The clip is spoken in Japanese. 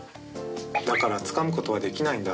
だからつかむことはできないんだ。